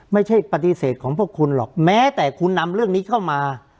ไม่ใช่ปฏิเสธของพวกคุณหรอกแม้แต่คุณนำเรื่องนี้เข้ามา